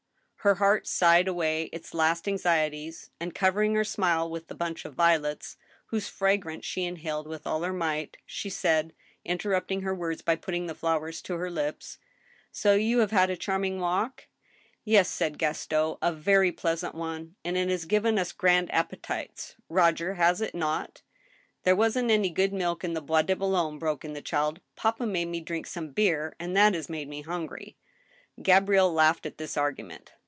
Her heart sighed away its last anxieties, and, covering her smile with the bunch of violets, whose fragrance she inhaled with all her might, she said, interrupting her words by putting the flowers to her lips :" So you have had a charming walk ?"" Yes," said Gaston, " a very pleasant one, and it has given us grand appetites — ^Roger, has it not ?"" There wasn't any good milk in the Bois de Boulogne," broke in the child. " Papa made me drink some beer, and that has made me hungry." Gabrielle laughed at this argument.